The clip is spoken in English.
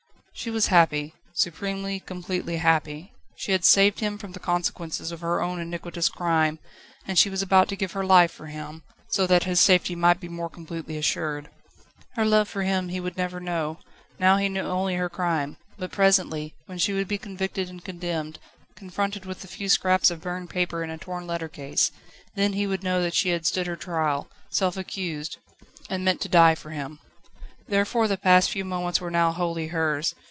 She was happy supremely, completely happy. She had saved him from the consequences of her own iniquitous crime, and she was about to give her life for him, so that his safety might be more completely assured. Her love for him he would never know; now he knew only her crime, but presently, when she would be convicted and condemned, confronted with a few scraps of burned paper and a torn letter case, then he would know that she had stood her trial, self accused, and meant to die for him. Therefore the past few moments were now wholly hers.